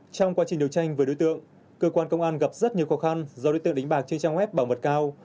trong quá trình điều tranh với đối tượng cơ quan công an gặp rất nhiều khó khăn do đối tượng đánh bạc trên trang web bảo mật cao